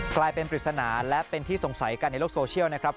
กลายเป็นปริศนาและเป็นที่สงสัยกันในโลกโซเชียลนะครับ